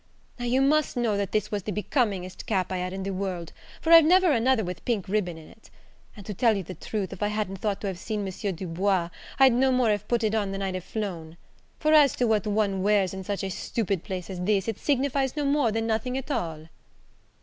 Now you must know that this was the becomingest cap I had in the world, for I've never another with pink ribbon in it; and, to tell you the truth, if I hadn't thought to have seen M. Du Bois, I'd no more have put it on than I'd have flown; for as to what one wears in such a stupid place as this, it signifies no more than nothing at all."